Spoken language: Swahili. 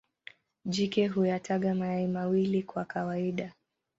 Jike huyataga mayai mawili kwa kawaida.